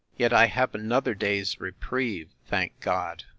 Yet I have another day's reprieve, thank God!